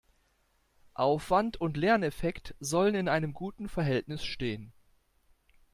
Aufwand und Lerneffekt sollen in einem guten Verhältnis stehen.